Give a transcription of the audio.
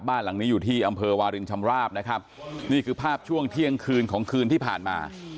บ้านหลังนี้อยู่ที่อำเภอวารินชำราบนะครับนี่คือภาพช่วงเที่ยงคืนของคืนที่ผ่านมา